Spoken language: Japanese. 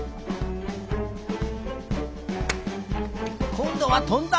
こんどはとんだ！